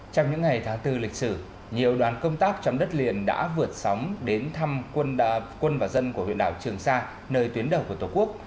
trong những ngày tháng bốn lịch sử nhiều đoàn công tác trong đất liền đã vượt sóng đến thăm quân và dân của huyện đảo trường sa nơi tuyến đầu của tổ quốc